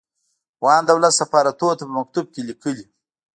افغان دولت سفارتونو ته په مکتوب کې ليکلي.